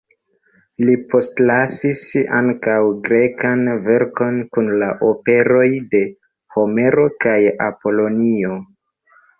Li postlasis ankaŭ grekan verkon kun la operoj de Homero kaj Apolonio.